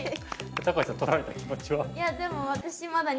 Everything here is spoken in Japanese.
橋さん取られた気持ちは？